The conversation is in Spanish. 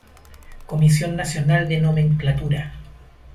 Comisión Nacional de Nomenclatura.